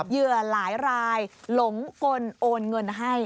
เหยื่อหลายรายหลงกลโอนเงินให้